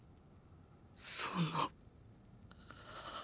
そんな。